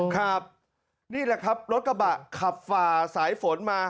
ครับนี่แหละครับรถกระบะขับฝ่าสายฝนมา